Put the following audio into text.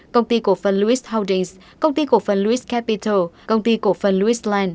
công ty cổ phân lewis holdings công ty cổ phân lewis capital công ty cổ phân lewis land